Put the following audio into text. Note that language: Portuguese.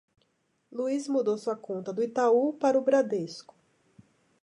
Luiz mudou sua conta do Itaú para o Bradesco.